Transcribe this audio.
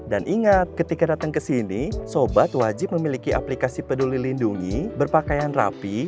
dan ingat ketika datang ke sini sobat wajib memiliki aplikasi peduli lindungi berpakaian rapi